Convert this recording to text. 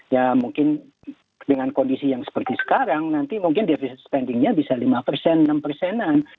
ya mungkin dengan kondisi yang seperti sekarang nanti mungkin defisit spendingnya bisa lima persen enam persenan